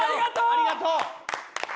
ありがとう！